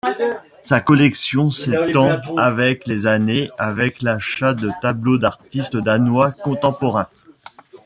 Sa collection s'étend avec les années avec l'achat de tableaux d'artistes danois contemporains.